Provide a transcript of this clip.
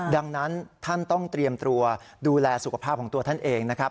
ดังนั้นท่านต้องเตรียมตัวดูแลสุขภาพของตัวท่านเองนะครับ